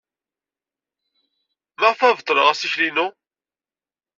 Maɣef ay beṭleɣ assikel-inu?